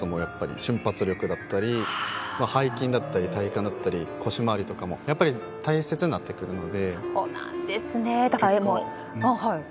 瞬発力だったり背筋だったり体幹だったり腰回りも大切になってくるので。